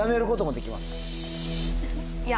いや。